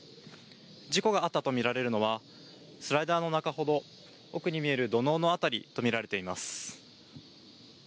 事故があったとみられるのはスライダーの中ほど奥に見える土のうの辺りと見られています。